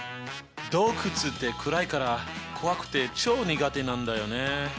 洞窟って暗いから怖くてチョー苦手なんだよね。